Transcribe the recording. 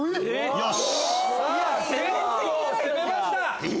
よし！